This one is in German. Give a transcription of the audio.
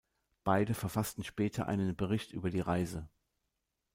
Beide verfassten später einen Bericht über die Reise.